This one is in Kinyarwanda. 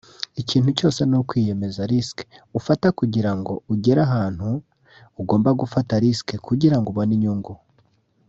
Ikintu cyose ni ukwiyemeza [Risk] ufata kugirango ugera ahantu ugomba gufata risk kugirango ubone inyungu